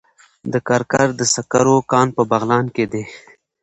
د کرکر د سکرو کان په بغلان کې دی